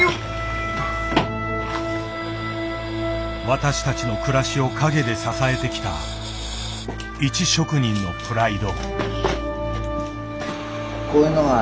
私たちの暮らしを陰で支えてきた一職人のプライド。